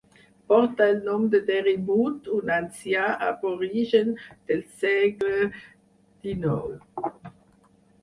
Porta el nom de Derrimut, un ancià aborigen del segle XIX.